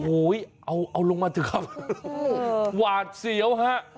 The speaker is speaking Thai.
โอ้โหเอาลงมาเถอะครับหวาดเสียวฮะ